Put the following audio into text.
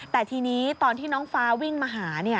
แต่ทีนี้ตอนที่น้องฟ้าวิ่งมาหา